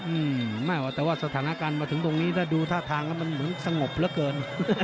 อืมไม่ว่าแต่ว่าสถานการณ์มาถึงตรงนี้ถ้าดูท่าทางแล้วมันเหมือนสงบเหลือเกิน